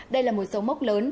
đây là một số mốc lớn